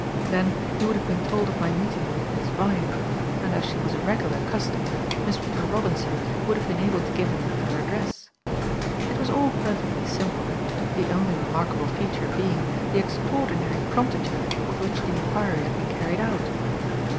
Then, he would have been told of my meeting with Miss Vyne, and as she was a regular customer, Mr. Robinson would have been able to give him her address. It was all perfectly simple, the only remarkable feature being the extraordinary promptitude with which the inquiry had been carried out.